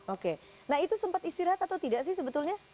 oke nah itu sempat istirahat atau tidak sih sebetulnya